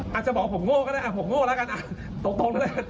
อาจจะบอกผมโง่ก็ได้อ่ะผมโง่แล้วกันอ่ะตกตรงแล้วแหละ